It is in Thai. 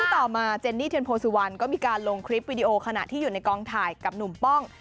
ต่อมาเจนนี่เทียนโพสุวรรณก็มีการลงคลิปวิดีโอขณะที่อยู่ในกองถ่ายกับหนุ่มป้อง